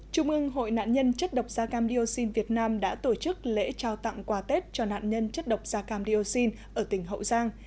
trung ương hội nạn nhân chất độc da cam dioxin việt nam đã tổ chức lễ trao tặng quà tết cho nạn nhân chất độc da cam dioxin ở tỉnh hậu giang